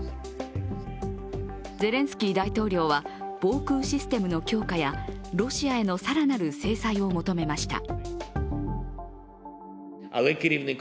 ゼレンスキー大統領は防空システムの強化やロシアへの更なる制裁を求めました。